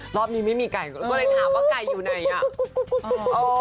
รอบนี้ไม่มีไก่ก็เลยถามว่าไก่อยู่ไหนอ่ะ